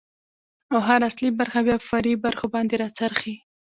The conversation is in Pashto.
، او هر اصلي برخه بيا په فرعي برخو باندې را څرخي.